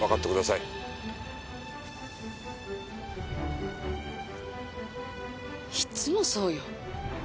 いつもそうよ。